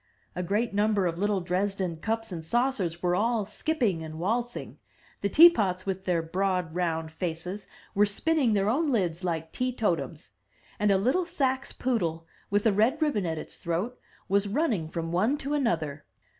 A great number of little Dresden cups and saucers were all skipping and waltzing; the teapots, with their broad round faces, were spinning their own lids like tee totums; and a little Saxe poodle, with a red ribbon at its throat, was running from one to another.